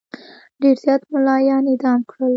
ډېر زیات مُلایان اعدام کړل.